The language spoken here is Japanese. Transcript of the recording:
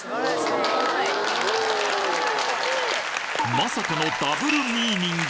まさかのダブルミーニング